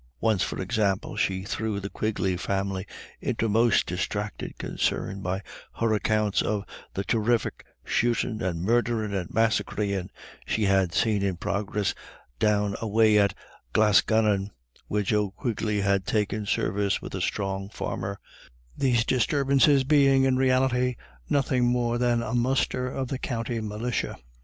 Once, for example, she threw the Quigley family into most distracted concern by her accounts of the terrific "shootin' and murdherin' and massacreein'" she had seen in progress down away at Glasgannon, where Joe Quigley had taken service with a strong farmer; these disturbances being in reality nothing more than a muster of the county militia.